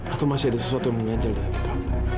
atau masih ada sesuatu yang mengenjal di hatiku